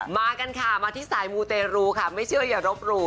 มากันค่ะมาที่สายมูเตรูค่ะไม่เชื่ออย่ารบหรู